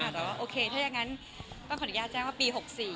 ถ้าอย่างงั้นป้องขออนุญาตแจ้งว่าปี๖๔